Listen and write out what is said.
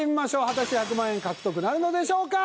果たして１００万円獲得なるのでしょうか？